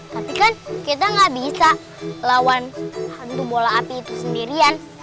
tapi kan kita gak bisa lawan hantu bola api itu sendirian